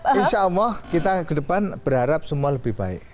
insya allah kita ke depan berharap semua lebih baik